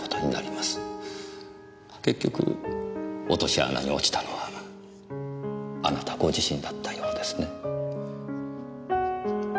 結局落とし穴に落ちたのはあなたご自身だったようですね。